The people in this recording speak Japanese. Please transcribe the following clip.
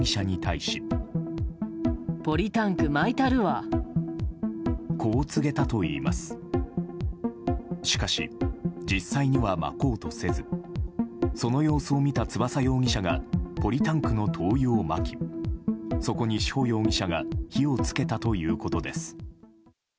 しかし、実際にはまこうとせずその様子を見た翼容疑者がポリタンクの灯油をまきそこに志保容疑者が火をつけたということです。